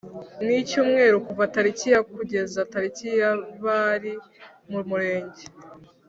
N icyumweru kuva tariki ya kugeza tariki ya bari mu murenge